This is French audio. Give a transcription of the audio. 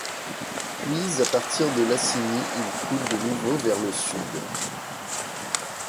Puis à partir de Laciny il coule de nouveau vers le Sud.